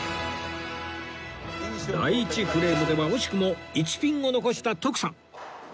第１フレームでは惜しくも１ピンを残した徳さん